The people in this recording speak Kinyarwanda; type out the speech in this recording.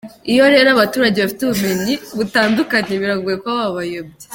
iyo rero abaturage bafite ubumenyi butandukanye biragoye kuba wabayobya.”